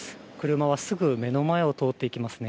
車は、すぐ目の前を通っていきますね。